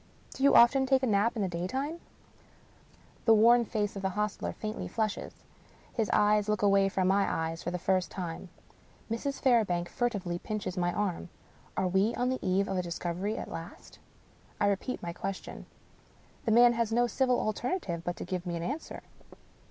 Do you often take a nap in the daytime ?" The worn face of the hostler faintly flushes. His eyes look away from my eyes for the first time. Mrs. Fairbank furtively pinches my arm. Are we on the eve of a dis covery at last? I repeat my question. The man has no civil alternative but to give me an answer.